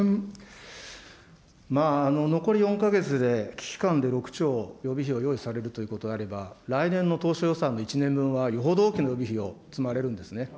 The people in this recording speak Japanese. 残り４か月で危機感で６兆、予備費を用意されるということであれば、来年の当初予算の１年分はよほど大きな予備費を積まれるんですね。